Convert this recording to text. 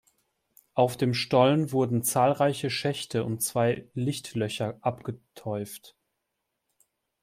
Auf dem Stollen wurden zahlreiche Schächte und zwei Lichtlöcher abgeteuft.